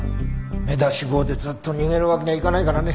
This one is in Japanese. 目出し帽でずっと逃げるわけにはいかないからね。